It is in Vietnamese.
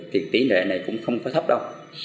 thì tỉ lệ này cũng không có thấp đâu